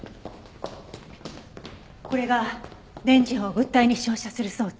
これが電磁波を物体に照射する装置。